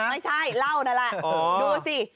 ไม่ใช่เหล้านั่นแหละดูสิ